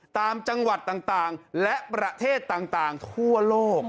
ตามจังหวัดต่างและประเทศต่างทั่วโลก